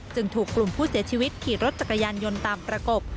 ถูกกลุ่มผู้เสียชีวิตขี่รถจักรยานยนต์ตามประกบ